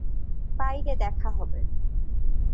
বাইরে দেখা হবে।